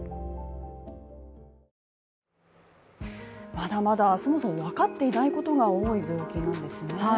まだまだ、そもそも分かっていないことが多い病気なんですね。